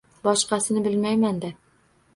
Boshqasini bilmayman-da...